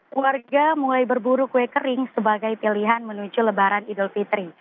keluarga mulai berburu kue kering sebagai pilihan menuju lebaran idul fitri